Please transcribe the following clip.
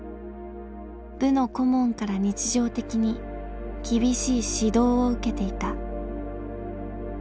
部の顧問から日常的に厳しい指導を受けていた。